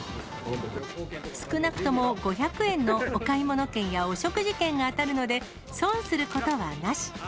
少なくとも５００円のお買物券やお食事券が当たるので、損することはなし。